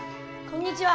こんにちは。